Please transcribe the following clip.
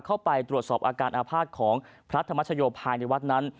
เข้าไปตรวจสอบอาการอาภาษณ์ของพระธรรมชโยภายในวัดนั้น